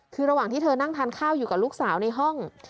คือระหว่างที่เธอนั่งทานข้าวอยู่กับลูกสาวในห้อง